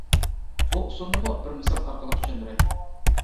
بۇ ئۇسۇلنىمۇ بىر مىسال ئارقىلىق چۈشەندۈرەي.